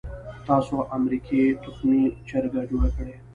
تاسو امریکې تخمي چرګه جوړه کړې.